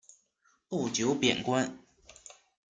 不久贬官。